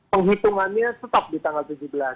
penghitungannya stop di tanggal tujuh belas